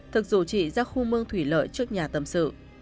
thực rủ chị ra khu mương thủy lợi trước nhà tâm sự